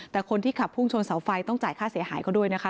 แต่คนที่ขับพุ่งชนเสาไฟต้องจ่ายค่าเสียหายเขาด้วยนะคะ